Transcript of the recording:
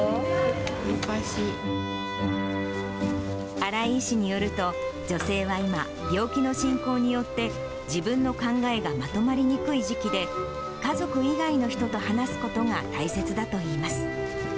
新井医師によると、女性は今、病気の進行によって、自分の考えがまとまりにくい時期で、家族以外の人と話すことが大切だといいます。